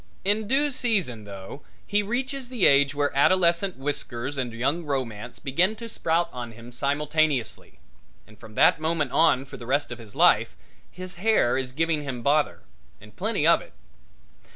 In due season, though, he reaches the age where adolescent whiskers and young romance begin to sprout out on him simultaneously and from that moment on for the rest of his life his hair is giving him bother, and plenty of it.